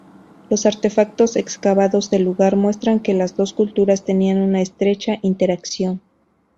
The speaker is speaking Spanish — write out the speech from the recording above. Los artefactos excavados del lugar muestran que las dos culturas tenían una estrecha interacción.